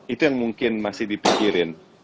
itu yang mungkin masih dipikirin